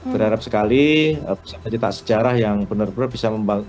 berharap sekali kita sejarah yang benar benar bisa membangun